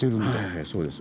はいそうです。